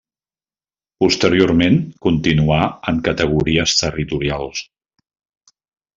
Posteriorment continuà en categories territorials.